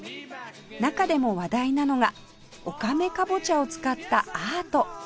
中でも話題なのがおかめかぼちゃを使ったアート